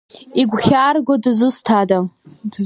Игәхьаарго дзусҭада?